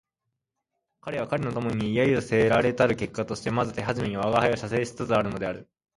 彼は彼の友に揶揄せられたる結果としてまず手初めに吾輩を写生しつつあるのである